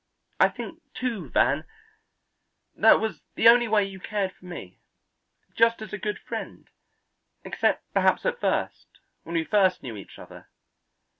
I think, too, Van, that was the only way you cared for me, just as a good friend except perhaps at first, when we first knew each other.